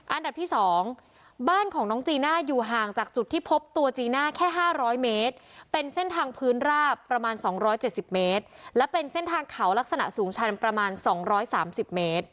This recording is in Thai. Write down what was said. อันดับที่๒บ้านของน้องจีน่าอยู่ห่างจากจุดที่พบตัวจีน่าแค่๕๐๐เมตรเป็นเส้นทางพื้นราบประมาณ๒๗๐เมตรและเป็นเส้นทางเขาลักษณะสูงชันประมาณ๒๓๐เมตร